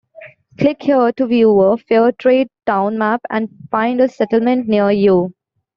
Click here to view a Fairtrade town map and find a settlement near you.